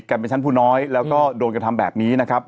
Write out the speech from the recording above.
เป็นชั้นผู้น้อยแล้วก็โดนกระทำแบบนี้นะครับ